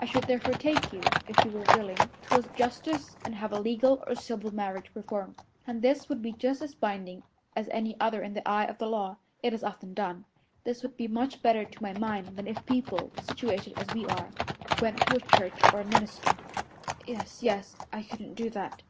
I should therefore take you, if you were willing, to a justice and have a legal or civil marriage performed, and this would be just as binding as any other in the eye of the law. It is often done. This would be much better to my mind than if people, situated as we are, went to a church or a minister." "Yes, yes, I couldn't do that."